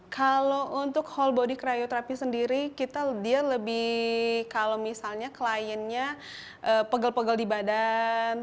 kalau untuk whole body krioterapi sendiri kalau misalnya kliennya pegel pegel di badan